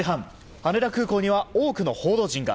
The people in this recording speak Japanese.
羽田空港には多くの報道陣が。